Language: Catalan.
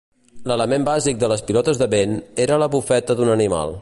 L'element bàsic de les pilotes de vent era la bufeta d'un animal.